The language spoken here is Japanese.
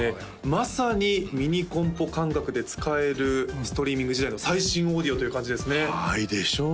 まさにミニコンポ感覚で使えるストリーミング時代の最新オーディオという感じですねはいでしょう？